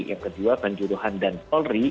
yang kedua kan juruhan dan polri